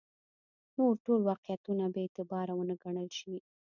نور ټول واقعیتونه بې اعتباره ونه ګڼل شي.